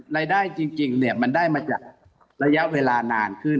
รายได้จริงมันได้มาจากระยะเวลานานขึ้น